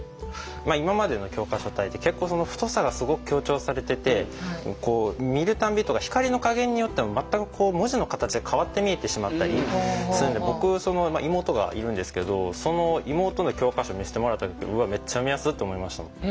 今までの教科書体って結構太さがすごく強調されててこう見るたびとか光の加減によっても全く文字の形が変わって見えてしまったりするんで僕妹がいるんですけどその妹の教科書見せてもらった時「うわっめっちゃ見やす！」って思いました。